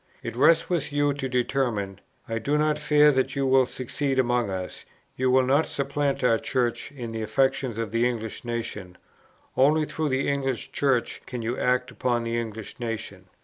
It rests with you to determine. I do not fear that you will succeed among us; you will not supplant our Church in the affections of the English nation; only through the English Church can you act upon the English nation.